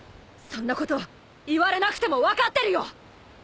そんなこと言われなくても分かってるよ！